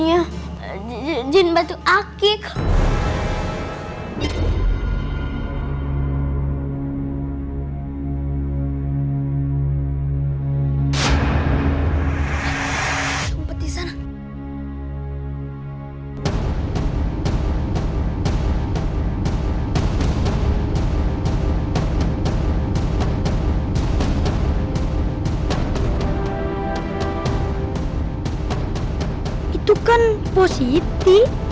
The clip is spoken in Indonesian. hai ten cor dapat select